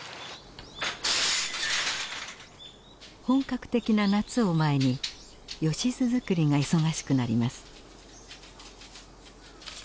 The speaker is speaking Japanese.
本格的な夏を前にヨシズ作りが忙しくなります。